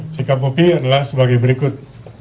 sikap hoki adalah sebagai berikut